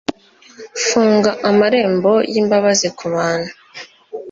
Funga amarembo y'imbabazi ku bantu,